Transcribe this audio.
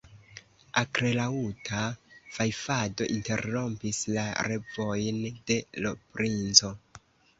Akrelaŭta fajfado interrompis la revojn de l' princo.